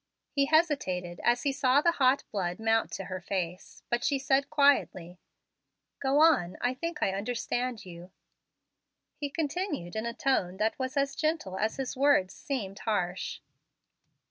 He hesitated, as he saw the hot blood mount to her face; but she said quietly, "Go on. I think I understand you." He continued in a tone that was as gentle as his words seemed harsh.